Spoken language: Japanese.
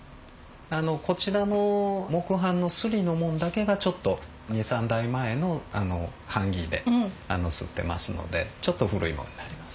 こちらの木版の刷りのもんだけがちょっと２３代前の版木で刷ってますのでちょっと古いものになります。